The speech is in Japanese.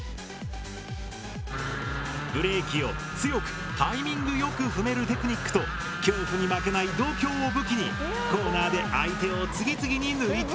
ブレーキを強くタイミングよく踏めるテクニックと恐怖に負けない度胸を武器にコーナーで相手を次々に抜いていくんだ！